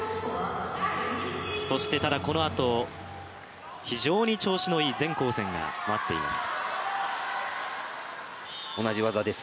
そしてただこのあと、非常に調子のいい全紅嬋が待っています。